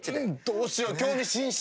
どうしよう興味津々！